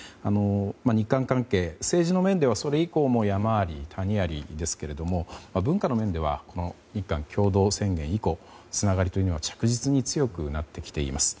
日韓関係、政治の面ではそれ以降も山あり谷ありですけども文化の面では日韓共同宣言以降つながりというのは着実に強くなってきています。